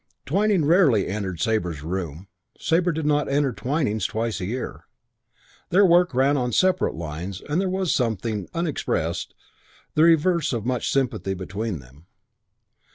Twyning rarely entered Sabre's room. Sabre did not enter Twyning's twice in a year. Their work ran on separate lines and there was something, unexpressed, the reverse of much sympathy between them.